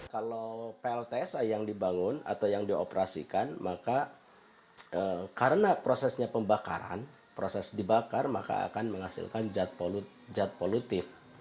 kalau plts yang dibangun atau yang dioperasikan maka karena prosesnya pembakaran proses dibakar maka akan menghasilkan zat polutif